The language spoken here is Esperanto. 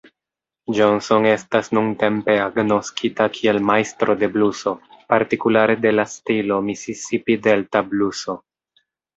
Johnson estas nuntempe agnoskita kiel majstro de bluso, partikulare de la stilo Misisipi-Delta bluso.